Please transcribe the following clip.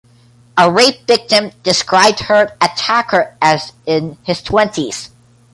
A rape victim described her attacker as in his twenties.